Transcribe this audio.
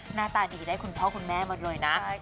หน้าตาดีได้คุณพ่อคุณแม่มาเลยนะ